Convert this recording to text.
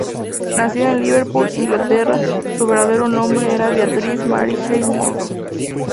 Nacida en Liverpool, Inglaterra, su verdadero nombre era Beatrice Mary Hale-Monro.